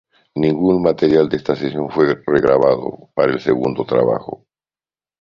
Ningún material de esta sesión fue regrabado para el segundo trabajo.